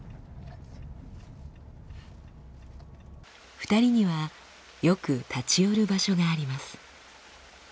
２人にはよく立ち寄る場所があります。